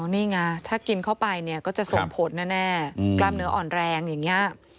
นี่ไงถ้ากินเข้าไปเนี่ยก็จะส่งผลแน่กล้ามเนื้ออ่อนแรงอย่างนี้